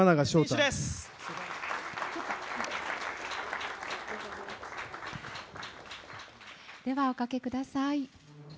では、おかけください。